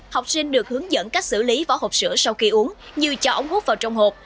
học sinh được hướng dẫn cách xử lý vỏ hộp sữa sau khi uống như cho ống hút vào trong hộp